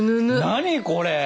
何これ？